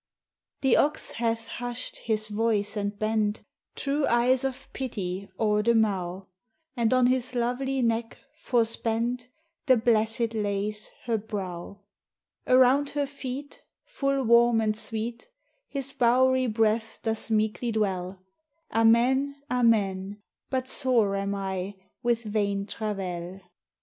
The Ox hath husht his voyce and bent Trewe eyes of Pitty ore the Mow, And on his lovelie Neck, forspent, The Blessed lavs her Browe. 62 THE HIGHER LIFE. Around her feet Full Warine and Sweete His bowerie Breath doth meeklie dwell; Amen, Amen: But sore am I with Vaine Travel